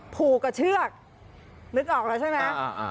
ผูกกับเชือกนึกออกแล้วใช่ไหม